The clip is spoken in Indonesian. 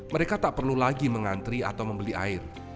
mereka tak perlu lagi mengantri atau membeli air